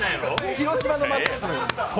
広島のマックス。